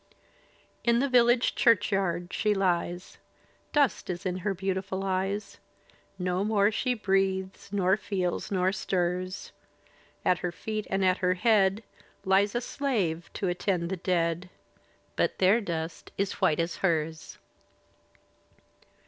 In the village churchyard she lies. Dust is in her beautiful eyes. No more she breathes, nor feeb, nor stirs; At her feet and at her head Lies a slave to attend the dead. But their dust is white as hers.